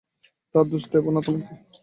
তা দোষ দেব না তোমাকে।